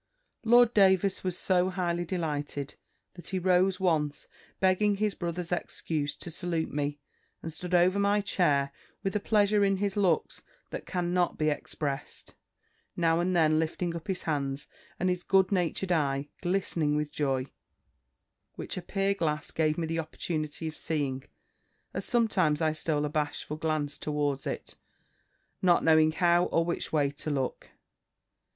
Lord Davers was so highly delighted, that he rose once, begging his brother's excuse, to salute me, and stood over my chair, with a pleasure in his looks that cannot be expressed, now and then lifting up his hands, and his good natured eye glistening with joy, which a pier glass gave me the opportunity of seeing, as sometimes I stole a bashful glance towards it, not knowing how or which way to look.